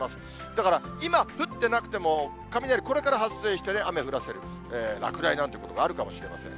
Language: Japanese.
だから今降ってなくても、雷、これから発生して雨降らせる、落雷なんてことがあるかもしれません。